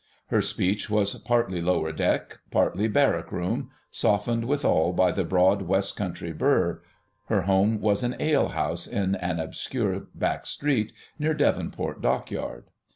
Her speech was partly Lower deck, partly Barrack room, softened withal by the broad West Country burr; her home was an alehouse in an obscure back street near Devonport Dockyard.